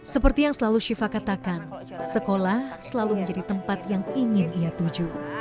seperti yang selalu syifa katakan sekolah selalu menjadi tempat yang ingin ia tuju